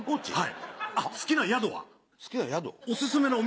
はい。